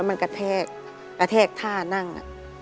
มันกระแทกท่านั่ง